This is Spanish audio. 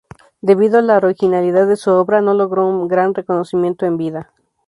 Debido a la originalidad de su obra, no logró un gran reconocimiento en vida.